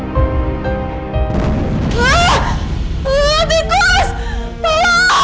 menangkuter banget lagi